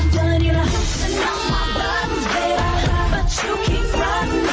สวัสดีค่ะ